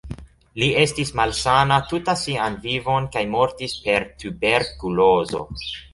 Li estis malsana tuta sian vivon kaj mortis per tuberkulozo.